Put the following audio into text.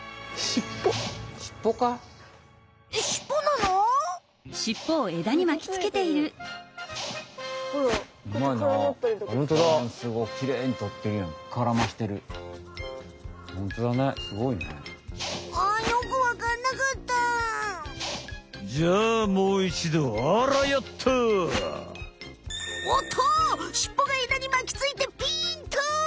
しっぽが枝にまきついてピンと！